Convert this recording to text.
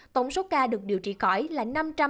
tổng số ca được điều trị khỏi là chín